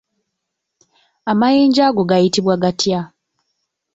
Amayinja ago gayitibwa gatya?